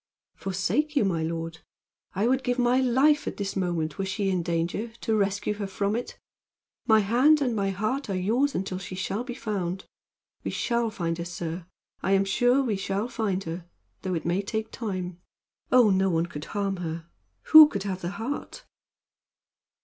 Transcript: "Forsake you, my lord; I would give my life at this moment, were she in danger, to rescue her from it! My hand and my heart are yours until she shall be found. We shall find her, sir. I am sure we shall find her though it may take time. Oh, no one could harm her! Who could have the heart?"